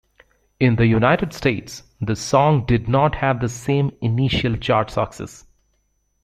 In the United States, the song did not have the same initial chart success.